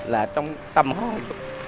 là trong tâm hồn